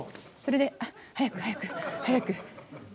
それであっ早く早く早く。